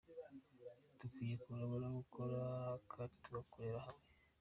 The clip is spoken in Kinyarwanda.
Dukwiye kurangwa no gukora kandi tugakorera hamwe.